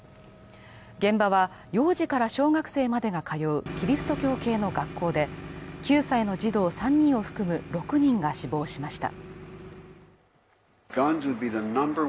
現場は幼児から小学生までが通うキリスト教系の学校で９歳の児童３人を含む６人が死亡しました。